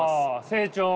成長。